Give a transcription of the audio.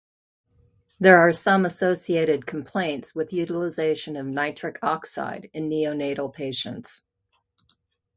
There are some associated complaints with utilization of nitric oxide in neonatal patients.